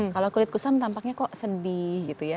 kalau kulit kusam tampaknya kok sedih gitu ya